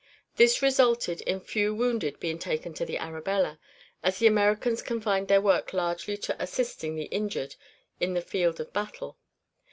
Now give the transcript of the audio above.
This resulted in few wounded being taken to the Arabella, as the Americans confined their work largely to assisting the injured on the field of battle.